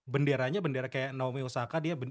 benderanya bendera kayak naomi osaka